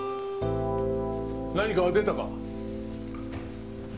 何か出たか？